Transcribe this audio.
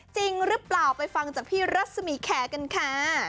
จริงหรือเปล่าไปฟังจากพี่รัศมีแคร์กันค่ะ